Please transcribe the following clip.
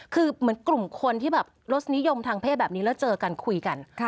คือเหมือนกลุ่มคนที่แบบรสนิยมทางเพศแบบนี้แล้วเจอกันคุยกัน